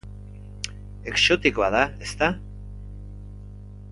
Exotikoa da, ezta?